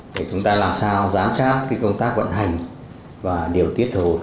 để chúng ta làm sao giám chát cái công tác vận hành và điều tiết thủ